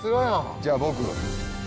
じゃあ僕。